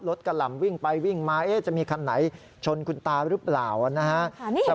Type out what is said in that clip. รถกระหล่ำวิ่งไปวิ่งมาจะมีขันไหนชนคุณตาตื้อหรือเปล่า